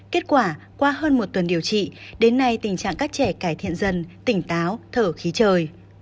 kết quả qua hơn một tuần điều trị đến nay tình trạng các trẻ cải thiện dần tỉnh táo thở khí trời